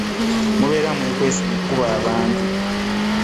Mubeera mwekwese mu kubba bintu.